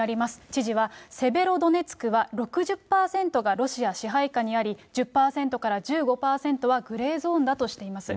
知事はセベロドネツクは６０％がロシア支配下にあり、１０％から１５％はグレーゾーンだとしています。